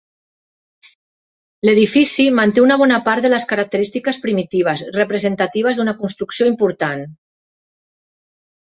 L'edifici manté una bona part de les característiques primitives, representatives d'una construcció important.